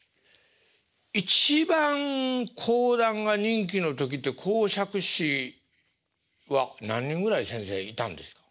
一番講談が人気の時って講釈師は何人ぐらい先生いたんですか？